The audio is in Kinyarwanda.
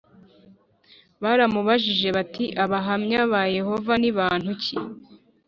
Baramubajije bati abahamya ba yehova ni bantu ki